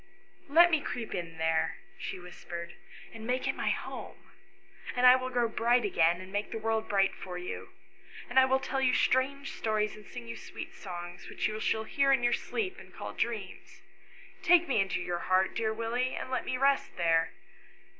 " Let me creep in there," she whispered, " and make it my home; and I will grow bright again, and make the world bright for you ; and I will tell you strange stories, and sing you sweet songs, which you shall hear in your sleep, and call dreams. Take me into your heart, dear Willie, and let me rest there."